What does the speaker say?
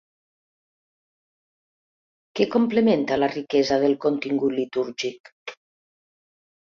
Què complementa la riquesa del contingut litúrgic?